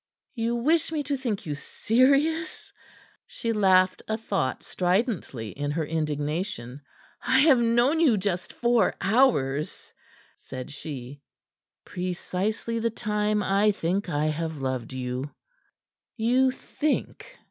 "You wish me to think you serious?" She laughed a thought stridently in her indignation. "I have known you just four hours," said she. "Precisely the time I think I have loved you." "You think?"